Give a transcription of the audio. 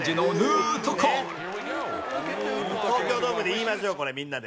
東京ドームで言いましょうこれみんなで。